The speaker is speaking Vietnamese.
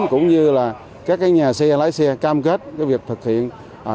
cũng như là các nhà xe lái xe cam kết việc thực hiện